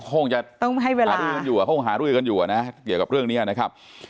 คงจะอารุยอยู่เดี๋ยวกับเรื่องนี้นะครับ